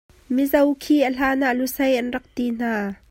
Mizo khi a hlan ah Lusei an rak ti hna.